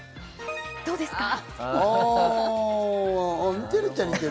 どうですか？